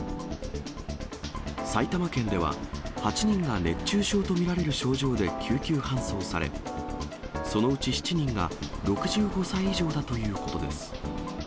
埼玉県では、８人が熱中症と見られる症状で救急搬送され、そのうち７人が６５歳以上だということです。